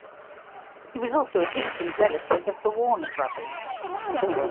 He was also a distant relative of the Warner Brothers.